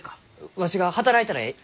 わしが働いたらえい。